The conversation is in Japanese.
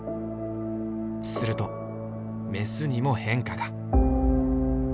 するとメスにも変化が。